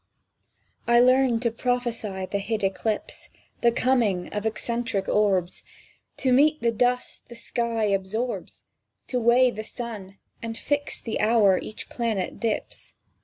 I learn to prophesy the hid eclipse, The coming of eccentric orbs; To mete the dust the sky absorbs, To weigh the sun, and fix the hour each planet dips.